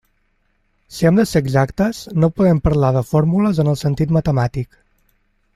Si hem de ser exactes, no podem parlar de fórmules en el sentit matemàtic.